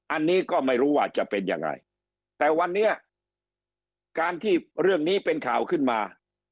อันนี้ก็ไม่รู้ว่าจะเป็นยังไงแต่วันนี้การที่เรื่องนี้เป็นข่าวขึ้นมา